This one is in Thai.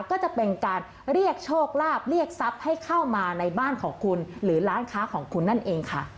ก็จะเป็นการเรียกโชคลาภเรียกทรัพย์ให้เข้ามาในบ้านของคุณหรือร้านค้าของคุณนั่นเองค่ะ